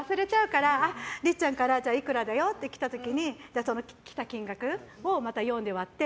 からりっちゃんからいくらだよってきた時に来た金額をまた４で割って。